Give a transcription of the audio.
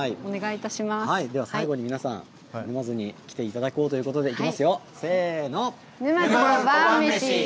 では最後に皆さん、沼津に来ていただこうということで、いきますよ、せーの。